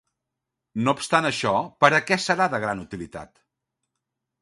No obstant això, per a què serà de gran utilitat?